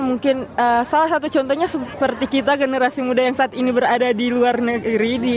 mungkin salah satu contohnya seperti kita generasi muda yang saat ini berada di luar negeri